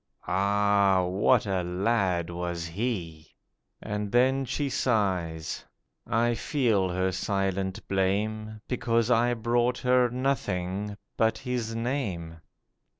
Ah, what a lad was he!' And then she sighs. I feel her silent blame, Because I brought her nothing but his name.